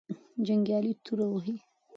جنګیالي توره وهې.